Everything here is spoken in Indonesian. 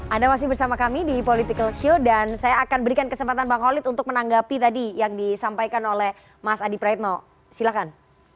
anda masih bersama kami di political show dan saya akan berikan kesempatan bang holid untuk menanggapi tadi yang disampaikan oleh mas adi praetno silahkan